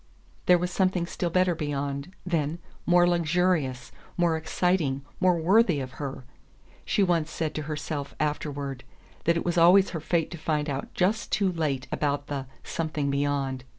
There was something still better beyond, then more luxurious, more exciting, more worthy of her! She once said to herself, afterward, that it was always her fate to find out just too late about the "something beyond."